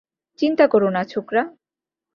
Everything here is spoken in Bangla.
চিন্তা করো না, ছোকরা।